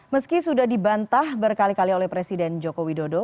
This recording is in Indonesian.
meski sudah dibantah berkali kali oleh presiden jokowi dodo